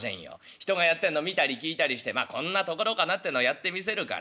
人がやってるのを見たり聞いたりしてまあこんなところかなってのをやってみせるから。